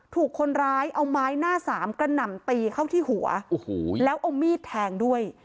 ถูกคนร้ายเอาไม้หน้าสามกระหน่ำตีเข้าที่หัวโอ้โหแล้วเอามีดแทงด้วย